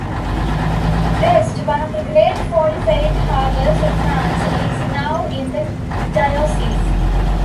Brest, one of the great fortified harbours of France, is now in the diocese.